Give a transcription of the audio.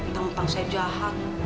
tentang saya jahat